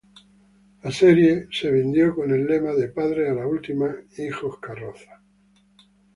La serie fue vendida con el lema ""De padres a la última, hijos carrozas"".